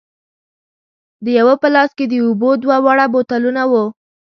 د یوه په لاس کې د اوبو دوه واړه بوتلونه وو.